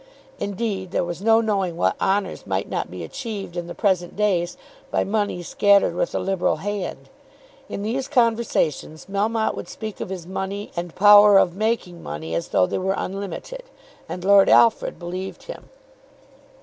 Indeed, there was no knowing what honours might not be achieved in the present days by money scattered with a liberal hand. In these conversations, Melmotte would speak of his money and power of making money as though they were unlimited, and Lord Alfred believed him.